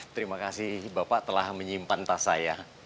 terima kasih bapak telah menyimpan tas saya